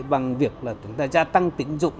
bằng việc là chúng ta gia tăng tín dụng